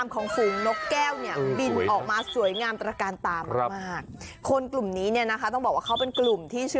คนที่มาดู